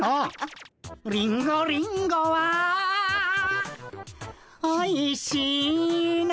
「リンゴリンゴはおいしいな」